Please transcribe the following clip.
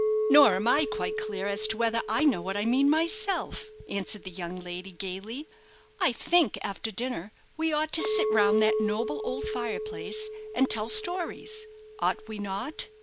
"Nor am I quite clear as to whether I know what I mean myself," answered the young lady, gaily. "I think, after dinner, we ought to sit round that noble old fire place and tell stories, ought we not?"